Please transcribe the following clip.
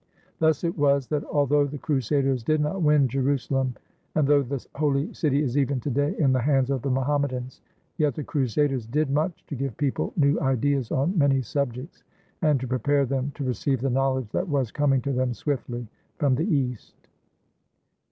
Thus it was that, although the crusaders did not win Jerusalem, and though the Holy City is even to day in the hands of the Mohammedans, yet the crusaders did much to give people new ideas on many subjects, and to prepare them to receive the knowledge that was coming to them swiftly from the East.